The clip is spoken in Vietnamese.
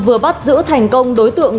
vừa bắt giữ thành công đối tượng